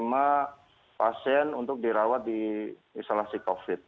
rumah sakit mana yang bisa menerima pasien untuk dirawat di instalasi covid sembilan belas